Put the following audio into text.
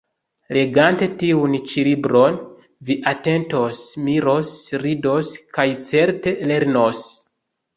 Legante tiun ĉi libron, vi atentos, miros, ridos kaj, certe, lernos.